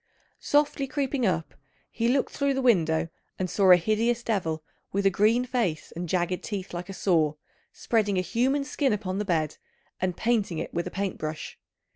Softly creeping up, he looked through the window and saw a hideous devil, with a green face and jagged teeth like a saw, spreading a human skin upon the bed and painting it with a paint brush.